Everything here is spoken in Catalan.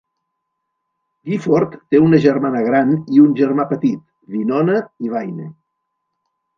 Gifford té una germana gran i un germà petit, Winona i Waine.